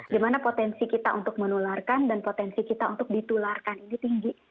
dimana potensi kita untuk menularkan dan potensi kita untuk ditularkan ini tinggi